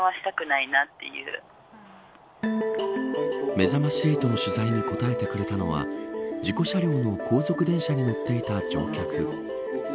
めざまし８の取材に答えてくれたのは事故車両の後続電車に乗っていた乗客。